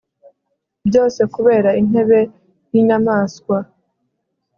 byose kubera intebe yinyamanswa